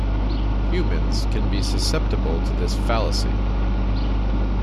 Humans can be susceptible to this fallacy.